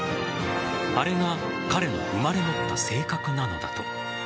あれが彼の生まれ持った性格なのだと。